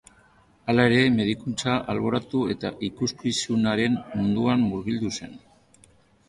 Hala ere, medikuntza alboratu eta ikuskizunaren munduan murgildu zen.